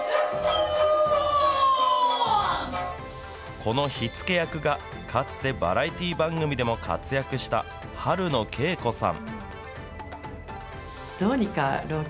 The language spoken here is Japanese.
この火付け役がかつてバラエティ番組でも活躍した、春野恵子さん。